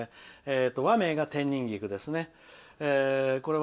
和名が天人菊です。